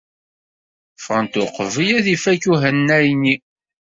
Ffɣent uqbel ad ifak uhanay-nni.